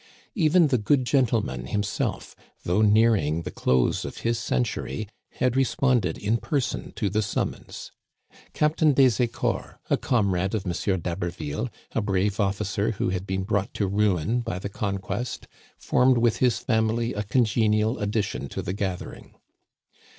Even " the good gentleman " himself, though nearing the close of his century, had responded in person to the summons. Captain des Ecors, a com rade of M. d'Haberville, a brave officer who had been brought to ruin by the conquest, formed with his family a congenial addition to the gathering.